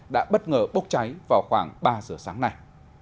đã bất ngờ bốc cháy vào khoảng ba giờ sáng nay